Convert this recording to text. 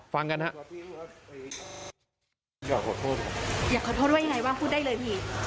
ฟังกันครับ